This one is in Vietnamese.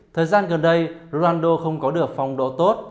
thời gian gần đây ronaldo không có được phong độ tốt